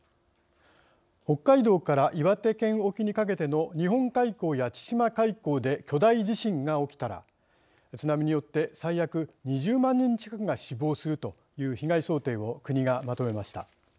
北海道から岩手県沖にかけての日本海溝や千島海溝で巨大地震が起きたら津波によって最悪２０万人近くが死亡するという被害想定を国がまとめました。